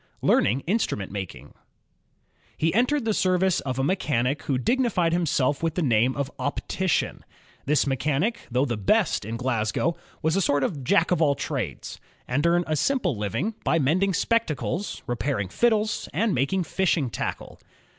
Learning Instrument Making He entered the service of a mechanic who dignified him self with the name of " optician." This mechanic, though the best in Glasgow, was a sort of Jack of all trades, and earned a simple living by mending spectacles, repairing fiddles, and making fishing tackle.